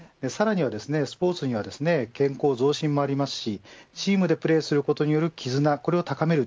スポーツには健康増進もありますしチームでプレーすることによるきずなを高める